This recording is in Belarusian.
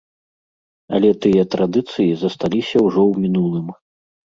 Але тыя традыцыі засталіся ўжо ў мінулым.